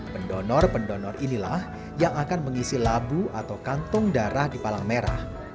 pendonor pendonor inilah yang akan mengisi labu atau kantong darah di palang merah